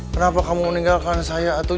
kenapa kamu meninggalkan saya atau